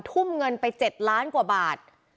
ทุ่มเงินไป๗ล้านกว่าบาท